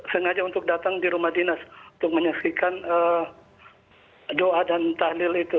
sengaja untuk datang di rumah dinas untuk menyaksikan doa dan tahlil itu